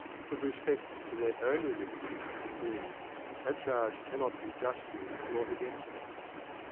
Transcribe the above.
With respect to their own religion, indeed, that charge cannot be justly brought against them.